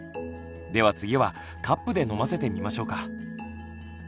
では次はカップで飲ませてみましょうか。